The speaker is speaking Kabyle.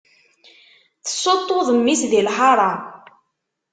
Tessuṭṭuḍ mmi-s di lḥaṛa.